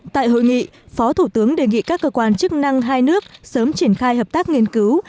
tại hội nghị phó thủ tướng đề nghị các cơ quan chức năng hai nước sớm triển khai hợp tác nghiên cứu